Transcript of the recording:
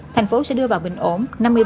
thành phố sẽ đưa vào bình ổn